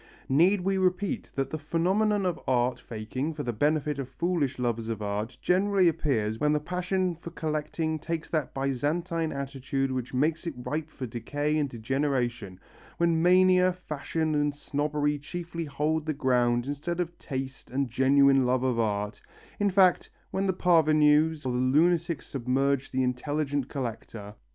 Need we repeat that the phenomenon of art faking for the benefit of foolish lovers of art generally appears when the passion for collecting takes that Byzantine attitude which makes it ripe for decay and degeneration, when mania, fashion and snobbery chiefly hold the ground instead of taste and genuine love of art, in fact when the parvenus or the lunatic submerge the intelligent collector.